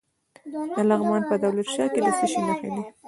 د لغمان په دولت شاه کې د څه شي نښې دي؟